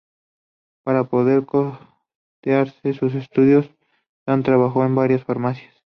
Para poder costearse sus estudios, Than trabajó en varias farmacias.